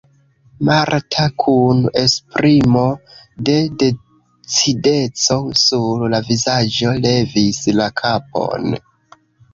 Marta kun esprimo de decideco sur la vizaĝo levis la kapon.